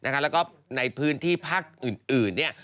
น้อยแล้วก็ในพื้นที่พลักอื่นเนี่ย